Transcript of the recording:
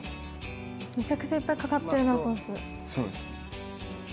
めちゃくちゃいっぱいかかってるなソース。